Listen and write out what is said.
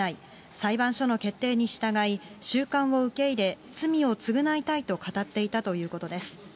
裁判所の決定に従い、収監を受け入れ、罪を償いたいと語っていたということです。